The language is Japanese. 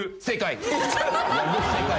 正解。